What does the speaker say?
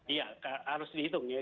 iya harus dihitung ya